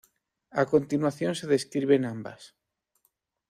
A continuación se describen ambas.